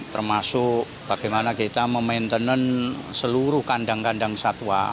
termasuk bagaimana kita memainten seluruh kandang kandang satwa